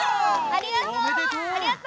ありがとう！